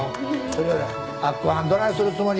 それより明子はんどないするつもりや？